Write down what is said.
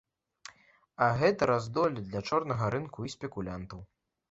А гэта раздолле для чорнага рынку і спекулянтаў.